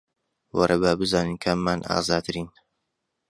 وەرە با بزانین کاممان ئازاترین